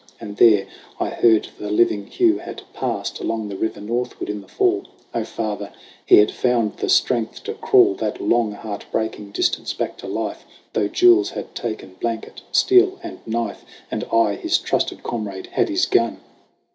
And there I heard the living Hugh had passed Along the river northward in the Fall ! O Father, he had found the strength to crawl That long, heart breaking distance back to life, Though Jules had taken blanket, steel and knife, And I, his trusted comrade, had his gun